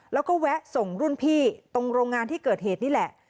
แล้วก็แวะส่งรุ่นพี่ตรงโรงงานที่เกิดเหตุนี่แหละ